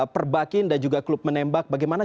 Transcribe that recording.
perbakin dan juga klub menembak bagaimana